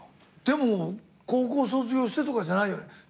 でも高校卒業してとかじゃないよね。